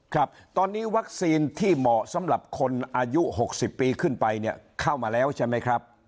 ครับตอนนี้วัคซีนที่เหมาะสำหรับคนอายุ๖๐ปีขึ้นไปเนี่ยเข้ามาแล้วใช่ไหมครับ